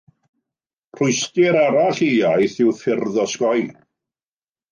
Rhwystr arall i iaith yw ffyrdd osgoi.